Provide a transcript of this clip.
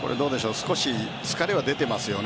少し疲れは出てますよね